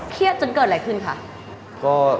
เครียดจนเกิดอะไรขึ้นค่ะ